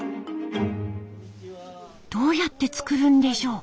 どうやって作るんでしょう？